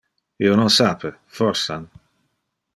Io non sape, forsan.